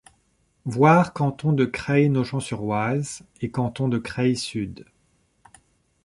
Voir Canton de Creil-Nogent-sur-Oise et Canton de Creil-Sud.